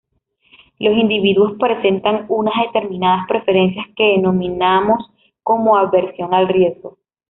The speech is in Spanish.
Los individuos presentan unas determinadas preferencias, que denominamos como aversión al riesgo.